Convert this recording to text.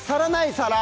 皿！